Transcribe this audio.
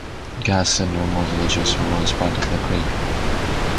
Gas and Nirmal villages were once part of the creek.